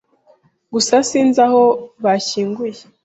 gusa sinzi aho bashyinguye!